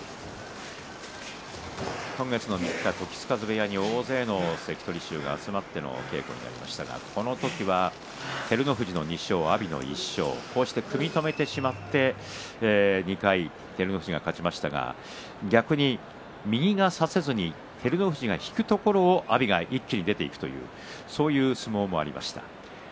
今月の３日時津風部屋に大勢の関取衆が集まっての稽古がありましたがこの時は照ノ富士の２勝阿炎の１勝組み止めてしまって２回照ノ富士が勝ちましたが逆に右が差せずに照ノ富士が引くところを阿炎が一気に出ていくというそういう相撲もありました。